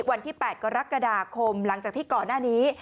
วันที่๘กรกฎาคมหลังจากที่ก่อนหน้านี้